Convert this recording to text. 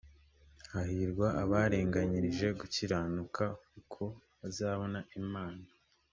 hahirwa abarenganyirijwe gukiranuka kuko bazabona imana